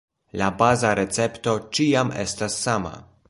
La baza recepto ĉiam estas sama.